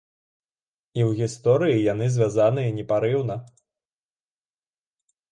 І ў гісторыі яны звязаныя непарыўна.